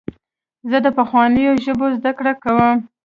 زه د پخوانیو ژبو زدهکړه کوم.